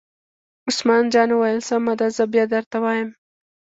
عثمان جان وویل: سمه ده زه بیا درته وایم.